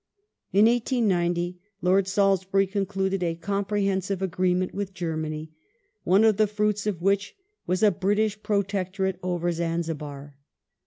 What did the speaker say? In 1890 Lord Salisbury concluded a comprehensive agreement with Germany, one of the fruits of which was a British Protectorate over Zanzibar.